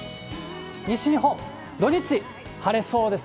西日本、土日晴れそうです。